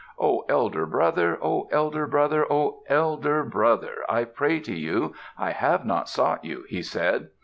"O elder brother! O elder brother! O elder brother! I pray to you. I have not sought you," he said.